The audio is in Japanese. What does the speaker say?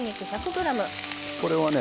これはね